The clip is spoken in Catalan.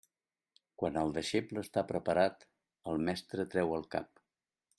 Quan el deixeble està preparat, el mestre treu el cap.